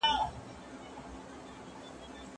د څېړني ارزښت هغه وخت څرګندیږي چي ټولني ته ګټه ورسوي.